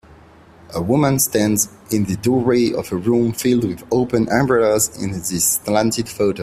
A woman stands in the doorway of a room filled with open umbrellas in this slanted photo.